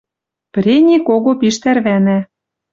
Прени кого пиш тӓрвӓнӓ